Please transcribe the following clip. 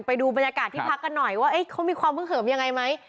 ไปดูบรรยากาศที่พักกันหน่อยว่าเขามีความฮึกเหิมยังไงไหม